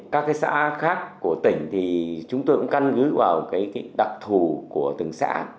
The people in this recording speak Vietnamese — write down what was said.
các cái xã khác của tỉnh thì chúng tôi cũng căn cứ vào cái đặc thù của từng xã